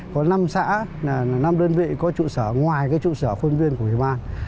có năm xã năm đơn vị có chủ sở ngoài chủ sở phân viên của ủy ban